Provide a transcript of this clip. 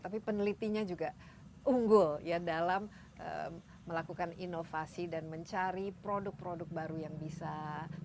tapi penelitinya juga unggul ya dalam melakukan inovasi dan mencari produk produk baru yang bisa